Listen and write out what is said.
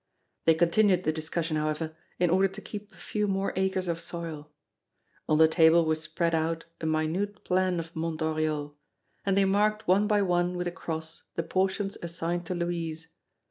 They continued the discussion, however, in order to keep a few more acres of soil. On the table was spread out a minute plan of Mont Oriol; and they marked one by one with a cross the portions assigned to Louise.